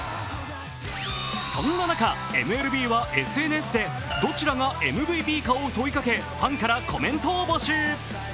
そんな中、ＭＬＢはＳＮＳでどちらがＭＶＰかを問いかけ、ファンにコメントを募集。